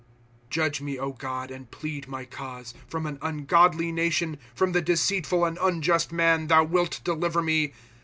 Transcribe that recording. ' Judge me, God, and plead my cause ; From an ungodly nation, From the deceitful and unjust man, thou wilt deliver me.